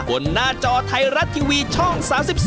ผลหน้าจอตาแรฟทัวร์ทีวีช่อง๓๒